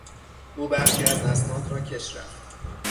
او برخی از اسناد را کش رفت.